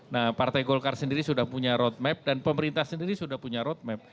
nah partai golkar sendiri sudah punya roadmap dan pemerintah sendiri sudah punya roadmap